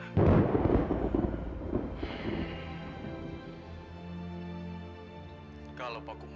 maafkan bapak lasmini